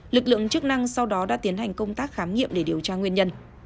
lực lượng chức năng sau đó đã tiến hành công tác khám nghiệm để điều tra nguyên nhân